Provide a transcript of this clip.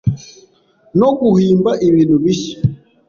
no guhimba ibintu bishya